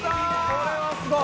これはすごい！